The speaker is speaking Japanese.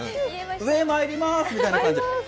上へ参りますみたいな感じ。